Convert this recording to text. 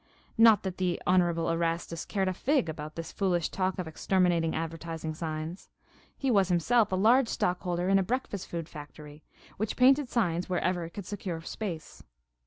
Not that the Honorable Erastus cared a fig about this foolish talk of exterminating advertising signs. He was himself a large stockholder in a breakfast food factory, which painted signs wherever it could secure space.